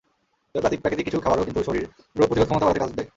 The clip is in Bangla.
তবে প্রাকৃতিক কিছু খাবারও কিন্তু শরীরে রোগ প্রতিরোধ ক্ষমতা বাড়াতে কাজ দেয়।